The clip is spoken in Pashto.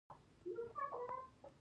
د پښتنو په جرګه کې پریکړه وروستۍ وي.